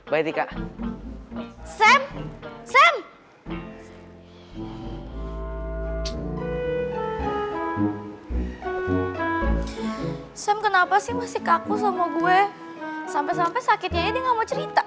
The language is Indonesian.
bye tika sam sam sam kenapa sih masih kaku sama gue sampai sampai sakitnya ini nggak mau cerita